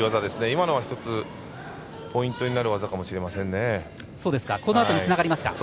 今のは１つポイントになる技かもしれません。